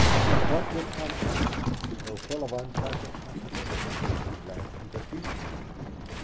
What would come after, though full of unpleasant possibilities, he left to the future.